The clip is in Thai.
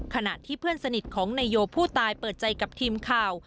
ขณะที่เพื่อนสนิทของนายโยผู้ตายเปิดใจกับทีมข่าว